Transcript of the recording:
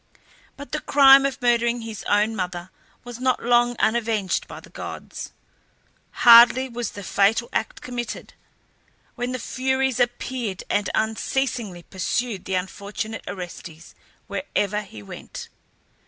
But the crime of murdering his own mother was not long unavenged by the gods. Hardly was the fatal act committed when the Furies appeared and unceasingly pursued the unfortunate Orestes wherever he went.